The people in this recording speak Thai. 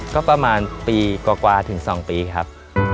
ก็ประมาณปีกว่าถึง๒ปีครับ